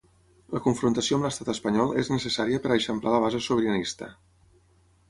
La confrontació amb l'Estat espanyol és necessària per a eixamplar la base sobiranista.